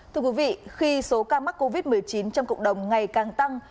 thưa quý vị khi số ca mắc covid một mươi chín trong cộng đồng ngày càng tăng